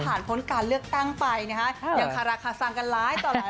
ผ่านพ้นการเลือกตั้งไปนะคะอย่างคาราคาซังกันร้ายต่อหลายเรื่อง